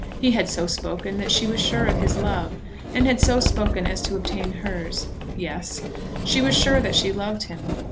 He had so spoken that she was sure of his love; and had so spoken as to obtain hers. Yes; she was sure that she loved him.